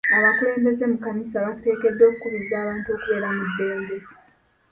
Abakulembeze mu kkanisa bateekeddwa okukubiriza abantu okubeera mu ddembe.